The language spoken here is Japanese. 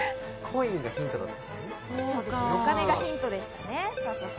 お金がヒントでしたね。